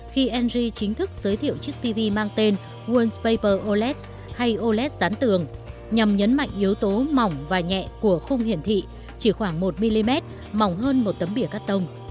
khi engie chính thức giới thiệu chiếc tv mang tên wallpaper oled hay oled sán tường nhằm nhấn mạnh yếu tố mỏng và nhẹ của không hiển thị chỉ khoảng một mm mỏng hơn một tấm bìa cắt tông